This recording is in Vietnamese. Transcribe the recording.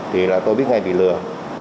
thì là tôi biết ngay bị lừa